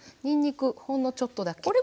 にんにくほんのちょっとだけ。